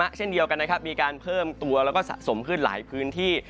เช่นเดียวกันนะครับมีการเพิ่มตัวแล้วก็สะสมขึ้นหลายพื้นที่